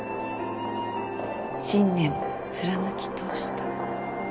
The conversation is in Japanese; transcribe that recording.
信念を貫き通した。